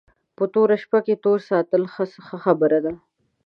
په توره شپه کې توره ساتل ښه خبره ده